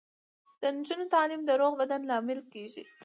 د نجونو تعلیم د روغ بدن لامل کیږي.